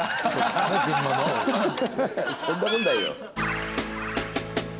そんなことないよ。